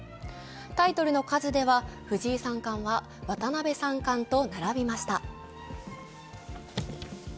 タイトルの数では藤井三冠は渡辺三冠と並びました。